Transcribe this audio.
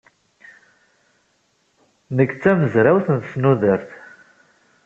Nekk d tamezrawt n tesnudert.